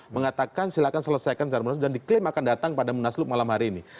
mengatakan silakan selesaikan secara munasulup dan diklaim akan datang pada munasulup malam hari ini